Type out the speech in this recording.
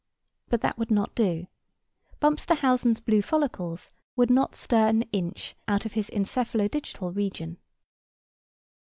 But that would not do. Bumpsterhausen's blue follicles would not stir an inch out of his encephalo digital region. 2.